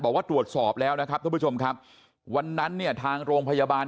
บอกว่าตรวจสอบแล้วนะครับทุกผู้ชมครับวันนั้นเนี่ยทางโรงพยาบาล